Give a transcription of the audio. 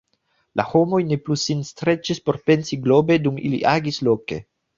La homoj ne plu sin streĉis por pensi globe dum ili agis loke.